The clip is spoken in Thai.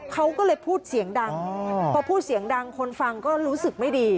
เขาก็เลยพูดเสียงดังพอพูดเสียงดังคนฟังก็รู้สึกไม่ดี